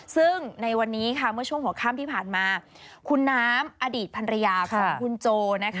ซึ่งในวันนี้เมื่อช่วงหัวค่ำที่ผ่านมาคุณน้ำอดีตภรรยาของคุณโจ